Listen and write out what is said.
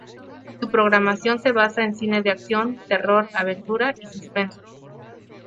Su programación se basa en cine de acción, terror, aventura y suspenso.